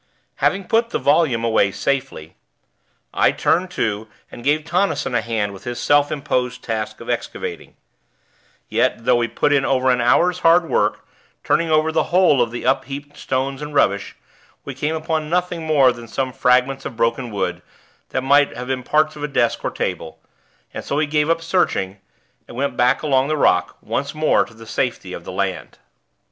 Having put the volume away safely, I turned to and gave Tonnison a hand with his self imposed task of excavating; yet, though we put in over an hour's hard work, turning over the whole of the upheaped stones and rubbish, we came upon nothing more than some fragments of broken wood, that might have been parts of a desk or table; and so we gave up searching, and went back along the rock, once more to the safety of the land.